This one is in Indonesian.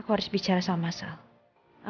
kita harus fokus pada itu aja din